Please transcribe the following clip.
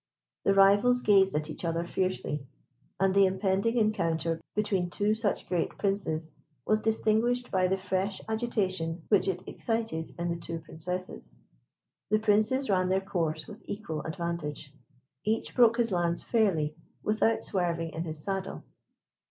The rivals gazed at each other fiercely, and the impending encounter between two such great Princes was distinguished by the fresh agitation which it excited in the two Princesses. The Princes ran their course with equal advantage. Each broke his lance fairly without swerving in his saddle.